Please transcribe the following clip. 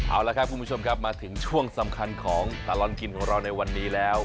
เอาละครับคุณผู้ชมครับมาถึงช่วงสำคัญของตลอดกินของเราในวันนี้แล้ว